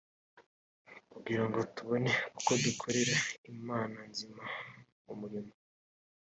kugira ngo tubone uko dukorera imana nzima umurimo